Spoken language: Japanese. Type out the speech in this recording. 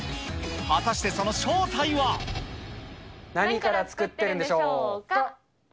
果たしてその正体は？何から作ってるんでしょうか。